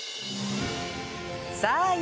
さあ